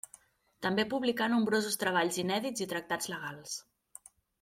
També publicà nombrosos treballs inèdits i tractats legals.